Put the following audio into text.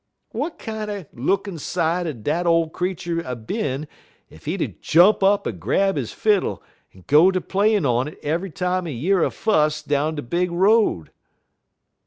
W'at kinder lookin' sight 'ud dat ole creetur a bin ef he'd jump up en grab he fiddle en go ter playin' on it eve'y time he year a fuss down de big road?"